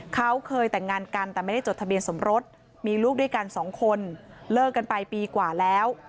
เขาเคยแต่งงานกันแต่ไม่ได้จดทะเบียนสมรสมีลูกด้วยกันสองคนเลิกกันไปปีกว่าแล้ว